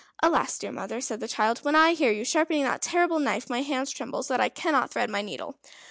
"Alas! dear mother," said the child, "when I hear you sharpening that terrible knife my hands tremble so that I cannot thread my needle."